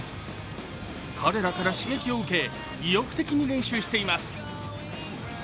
彼らから刺激を受け、意欲的に練習をしています。